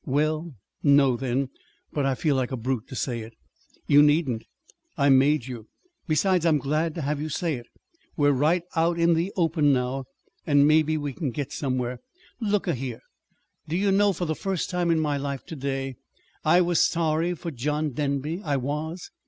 "Well no, then; but I feel like a brute to say it." "You needn't. I made you. Besides, I'm glad to have you say it. We're right out in the open, now, and maybe we can get somewhere. Look a here, do you know? for the first time in my life to day I was sorry for John Denby. I was!